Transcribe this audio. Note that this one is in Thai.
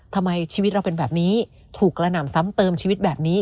ทำไมชีวิตเราเป็นแบบนี้ถูกกระหน่ำซ้ำเติมชีวิตแบบนี้